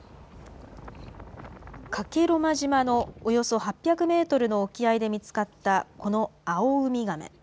加計呂麻島のおよそ８００メートルの沖合で見つかった、このアオウミガメ。